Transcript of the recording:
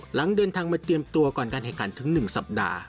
หลังเดินทางมาเตรียมตัวก่อนการแข่งขันถึง๑สัปดาห์